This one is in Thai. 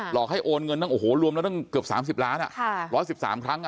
หลอกให้โอนเงินรวมแล้วตั้งเกือบ๓๐ล้านร้อย๑๓ครั้ง